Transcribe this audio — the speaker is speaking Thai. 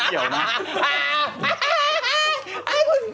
หางนี้ไม่เกี่ยวนะ